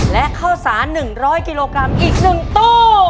และข้าวสาร๑๐๐กิโลกรัมอีก๑ตู้